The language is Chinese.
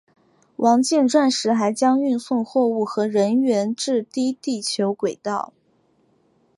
王剑钻石还将运送货物和人员至低地球轨道。